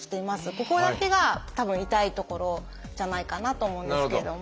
ここだけがたぶん痛い所じゃないかなと思うんですけれども。